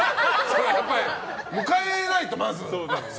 迎えないと、まず。